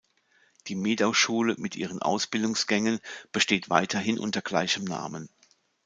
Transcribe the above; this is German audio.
Die Medau-Schule mit ihren Ausbildungsgängen besteht weiterhin unter gleichem Namen.